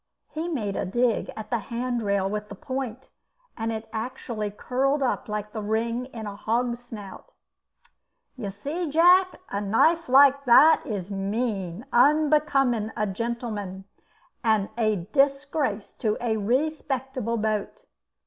He made a dig at the hand rail with the point, and it actually curled up like the ring in a hog's snout. "You see, Jack, a knife like that is mean, unbecoming a gentleman, and a disgrace to a respectable boat."